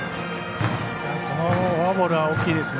このフォアボールは大きいですね。